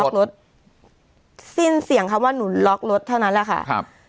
รถสิ้นเสียงคำว่าหนูล็อกรถเท่านั้นแหละค่ะครับ